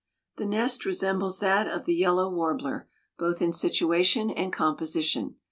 The nest resembles that of the yellow warbler, both in situation and composition.